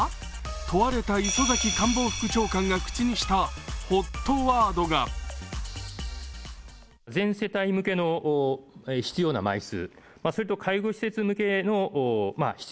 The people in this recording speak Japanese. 問われた磯崎官房副長官が口にしたＨＯＴワードが安倍政権の負の遺産。